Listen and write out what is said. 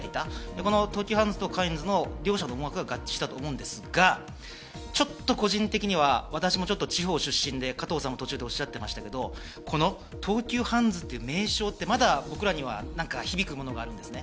この東急ハンズとカインズの両者の思惑が合致したと思うんですがちょっと個人的には私も地方出身で加藤さんも途中でおっしゃってましたけど、この東急ハンズっていう名称ってまだ僕らには響くものがあるんですね。